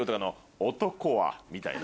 「男は」みたいな。